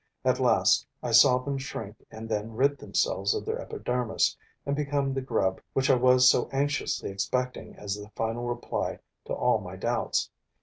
At last, I saw them shrink and then rid themselves of their epidermis and become the grub which I was so anxiously expecting as the final reply to all my doubts.